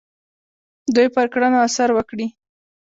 دوی پر کړنو اثر وکړي.